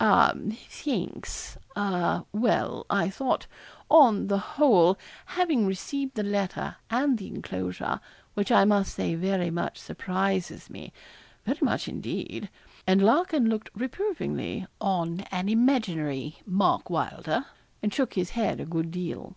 'A thanks a well I thought, on the whole, having received the letter and the enclosure, which I must say very much surprises me very much indeed.' And Larkin looked reprovingly on an imaginary Mark Wylder, and shook his head a good deal.